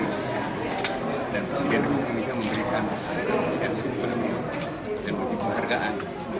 dia memberikan sains yang paling menarik dan berarti berhargaan